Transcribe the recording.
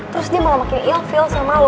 terus dia malah makin ill feel sama lo